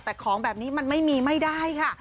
แต่ของแบบนี้มันไม่มีไม่ได้ค่ะ